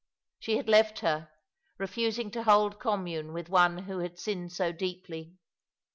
She had left her, refusing to hold commune with one who had sinned so deeply.